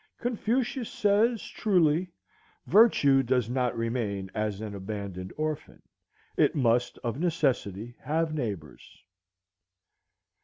Confucius says truly, "Virtue does not remain as an abandoned orphan; it must of necessity have neighbors."